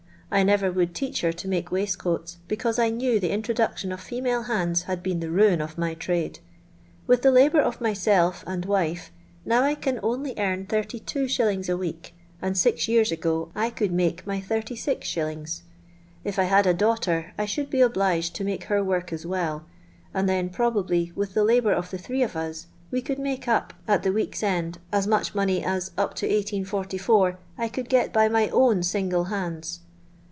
I never would teach her to mnkc waistconts, because I knew the introduction of fenuilc bands had been the ruin of my trade. With the labonr of myself and wife now I can only e:irn 32j. a week, and six years ago I could make my *6(js. If I had a dauj,'hter I should be obliged to nmke her work as wel!, and then probably, with the labour of the three of us, we could make up at the week's end as much money, as, up to 1844, I could }(et by my own single hands.